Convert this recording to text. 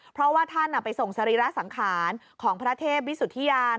เพราะว่าท่านไปส่งสรีระสังขารของพระเทพวิสุทธิยาน